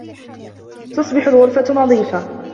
تُصْبِحُ الْغُرْفَةُ نَظِيفَةً.